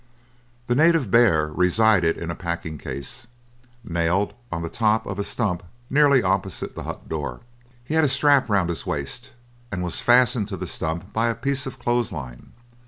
The native bear resided in a packing case, nailed on the top of a stump nearly opposite the hut door. He had a strap round his waist, and was fastened to the stump by a piece of clothes line.